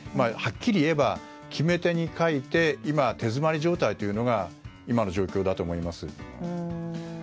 はっきり言えば決め手に欠いて手詰まり状態というのが今の状況だと思います。